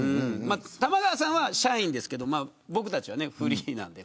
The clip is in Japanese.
玉川さんは社員ですけど僕たちフリーなんで。